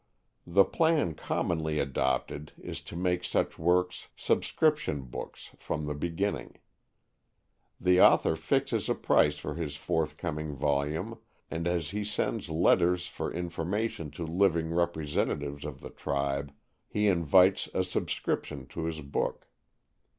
The plan commonly adopted is to make such works "subscription books" from the beginning. The author fixes a price for his forthcoming volume and as he sends letters for information to living representatives of the tribe, he invites a subscription to his book.